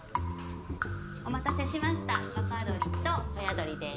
お待たせしました若どりと親どりです。